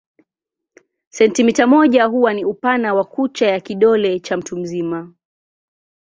Sentimita moja huwa ni upana wa kucha ya kidole cha mtu mzima.